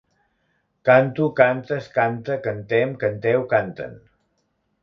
Canto, cantes, canta, cantem, canteu, canten.